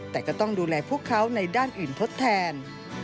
แต่ก็ต้องดูแลพวกเขาในด้านอื่นทดแทน